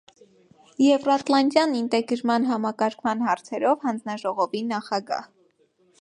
Եվրատլանտյան ինտեգրման համակարգման հարցերով հանձնաժողովի նախագահ։